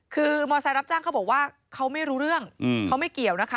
คือมอเซล์รับจ้างเขาบอกว่าเขาไม่รู้เรื่องเขาไม่เกี่ยวนะคะ